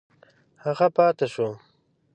هغه پاته شو.